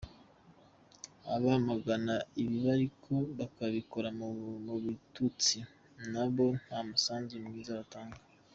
Abamagana ibiba ariko bakabikora mu bitutsi na bo nta musanzu mwiza batanga.